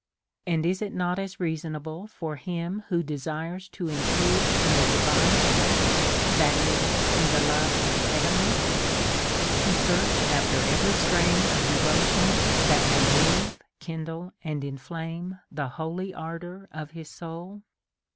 And is it not as reasonable for him who de sires to improve in the divine life, that is, in the love of heavenly things, to search after every strain of de votion that may move, kindle, and inflame the holy ardour of his soul?